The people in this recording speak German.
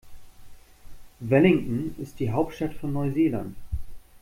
Wellington ist die Hauptstadt von Neuseeland.